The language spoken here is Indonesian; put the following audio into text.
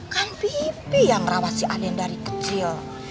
kan bibi yang rawat si ade dari kecil